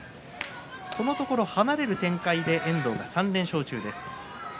このところ離れる展開で遠藤が３連勝中です。